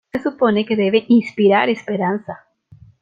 Se supone que debe inspirar esperanza.